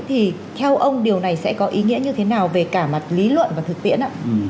thì theo ông điều này sẽ có ý nghĩa như thế nào về cả mặt lý luận và thực tiễn ạ